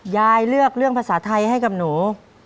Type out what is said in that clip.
ยายเลือกเรื่องภาษาไทยให้กับหนู